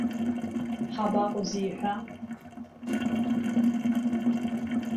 Ҳабаҟоу зиҳәа?